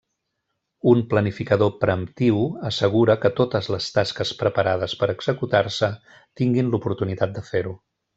Un planificador preemptiu assegura que totes les tasques preparades per executar-se tinguin l’oportunitat de fer-ho.